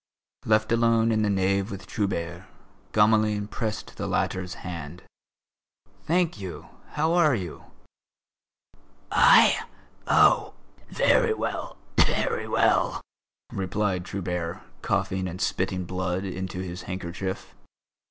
Left alone in the nave with Trubert, Gamelin pressed the latter's hand. "Thank you. How are you?" "I? Oh! Very well, very well!" replied Trubert, coughing and spitting blood into his handkerchief.